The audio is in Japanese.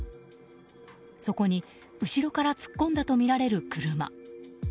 そこに後ろから突っ込んだとみられる車。